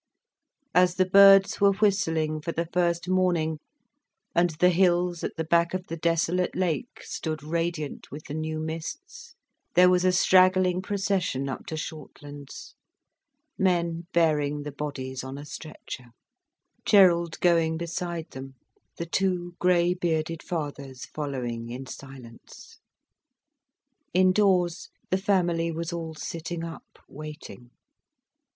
As the birds were whistling for the first morning, and the hills at the back of the desolate lake stood radiant with the new mists, there was a straggling procession up to Shortlands, men bearing the bodies on a stretcher, Gerald going beside them, the two grey bearded fathers following in silence. Indoors the family was all sitting up, waiting.